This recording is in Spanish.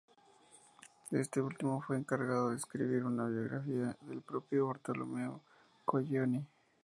Este último fue encargado de escribir una biografía del propio Bartolomeo Colleoni.